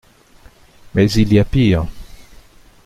Mais il y a pire.